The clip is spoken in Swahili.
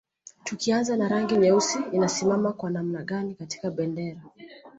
Tukianza na rangi nyeusi inasimama kwa namna gani katika bendera